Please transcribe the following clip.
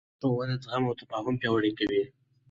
ښوونه زغم او تفاهم پیاوړی کوي